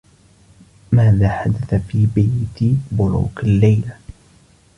ماذا حدث في بيت بولوك الليلة ؟